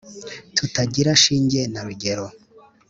tutagira shinge na rugero